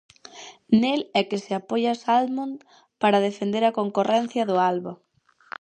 Nel é que se apoia Salmond para defender a concorrencia do Alba.